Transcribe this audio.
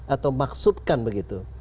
atau maksudkan begitu